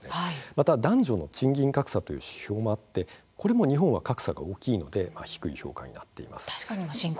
また男女の賃金格差という指標もあってこれも日本も格差が大きいので低い評価になっています。